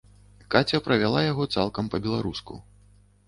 Каця правяла яго цалкам па-беларуску.